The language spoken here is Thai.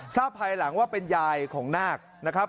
ภายหลังว่าเป็นยายของนาคนะครับ